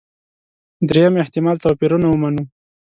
درېیم احتمال توپيرونه ومنو.